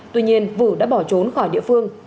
tuy nhiên vử đã bỏ trốn khỏi địa phương